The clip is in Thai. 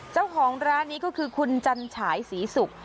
เจ้าของร้านนี้ก็คือคุณจันฉายศรีศุกร์